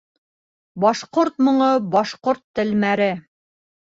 Башҡорт моңо, башҡорт телмәре.